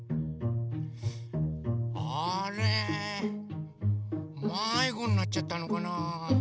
あれまいごになっちゃったのかな？